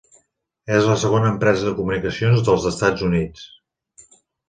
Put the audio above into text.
És la segona empresa de comunicacions dels Estats Units.